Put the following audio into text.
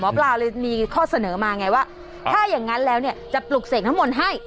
ปลาเลยมีข้อเสนอมาไงว่าถ้าอย่างนั้นแล้วเนี่ยจะปลุกเสกน้ำมนต์ให้